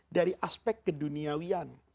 dari aspek keduniawian